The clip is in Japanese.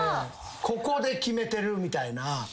ここで決めてるみたいな。